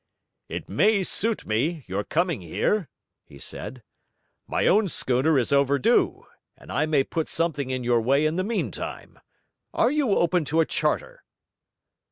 'It may suit me, your coming here,' he said. 'My own schooner is overdue, and I may put something in your way in the meantime. Are you open to a charter?'